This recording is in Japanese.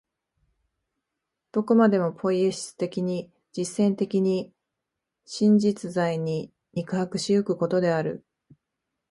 どこまでもポイエシス的に、実践的に、真実在に肉迫し行くことである。